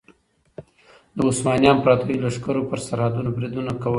د عثماني امپراطورۍ لښکرو پر سرحدونو بریدونه کول.